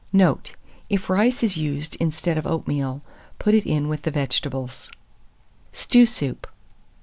Note. If rice is used instead of oatmeal, put it in with the vegetables. STEW SOUP.